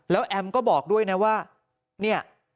แล้วแอมก็บอกด้วยนะว่าเนี่ย